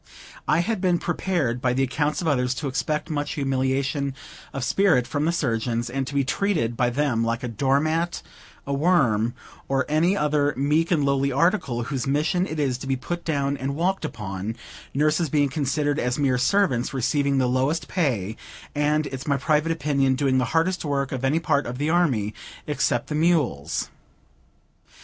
I had been prepared by the accounts of others, to expect much humiliation of spirit from the surgeons, and to be treated by them like a door mat, a worm, or any other meek and lowly article, whose mission it is to be put down and walked upon; nurses being considered as mere servants, receiving the lowest pay, and, it's my private opinion, doing the hardest work of any part of the army, except the mules.